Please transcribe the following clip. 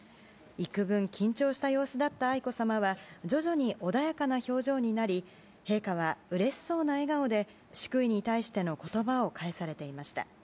幾分、緊張した様子だった愛子さまは徐々に穏やかな表情になり陛下はうれしそうな笑顔で祝意に対しての言葉を返されていました。